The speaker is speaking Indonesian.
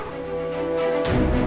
berita apa pak wuyah